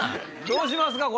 どうしますか？